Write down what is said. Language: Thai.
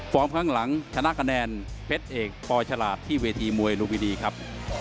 ฟอร์มข้างหลังชนะคะแนนเพ็ดเอกปลอยฉลาดที่เวทีมวยรุ่นวิดีครับ